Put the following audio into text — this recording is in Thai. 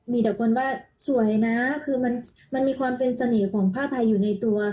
มีแต่คนว่าสวยนะคือมันมีความเป็นเสน่ห์ของผ้าไทยอยู่ในตัว